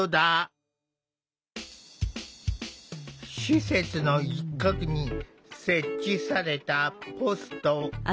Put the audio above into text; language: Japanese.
施設の一角に設置されたポスト。